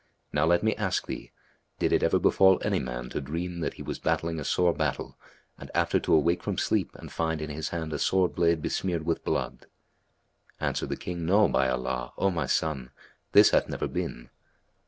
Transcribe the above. Now let me ask thee, did it ever befal any man to dream that he was battling a sore battle and after to awake from sleep and find in his hand a sword blade besmeared with blood? Answered the King, "No, by Allah, O my son, this hath never been."